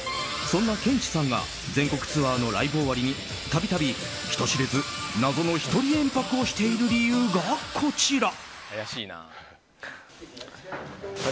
そんなケンチさんが全国ツアーのライブ終わりに度々人知れず謎の１人延泊をしている理由が、こちら。